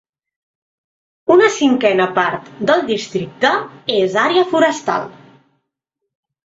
Una cinquena part del districte és àrea forestal.